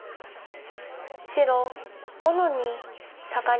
白５の二サガリ。